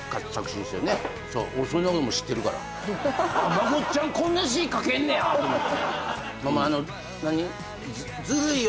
まこっちゃんこんな詞書けんねやと思った。